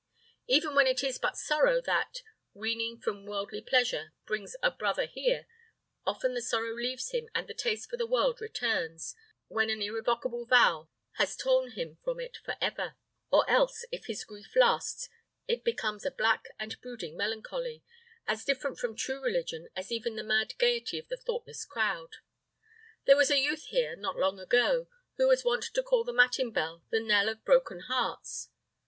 Even when it is but sorrow that, weaning from worldly pleasure, brings a brother here, often the sorrow leaves him, and the taste for the world returns, when an irrevocable vow has torn him from it for ever; or else, if his grief lasts, it becomes a black and brooding melancholy, as different from true religion as even the mad gaiety of the thoughtless crowd. There was a youth here, not long ago, who was wont to call the matin bell the knell of broken hearts.